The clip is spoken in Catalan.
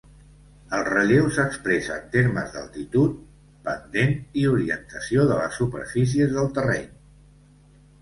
El relleu s'expressa en termes d'altitud, pendent i orientació de les superfícies del terreny.